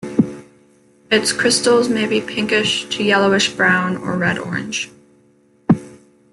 Its crystals may be pinkish to yellowish brown or red-orange.